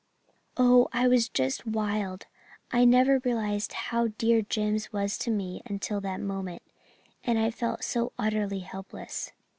"Oh, I was just wild! I never realized how dear Jims was to me until that moment. And I felt so utterly helpless."